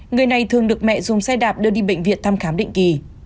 người này thường được mẹ dùng xe đạp đưa đi bệnh viện thăm khám định kỳ